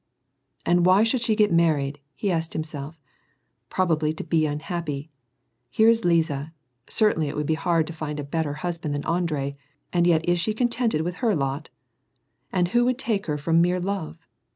" And why should she get married ?" he asked himself. " Probably to be unliJippy. Here is Liza — certainly it would be hard to find a better husband than Andrei — and yet is she contented with her lot ? And who would take her from mere love